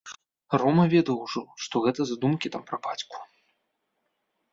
Рома ведаў ужо, што гэта за думкі там пра бацьку.